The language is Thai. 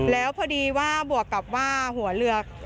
แล้วพอดีว่าบวกกับว่าหัวเรือ